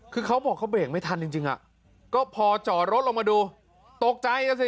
คือเขาบอกเขาเบรกไม่ทันจริงอ่ะก็พอจอดรถลงมาดูตกใจนะสิ